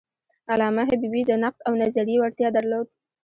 علامه حبیبي د نقد او نظریې وړتیا درلوده.